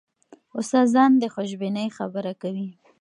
استادان د خوشبینۍ خبره کوي.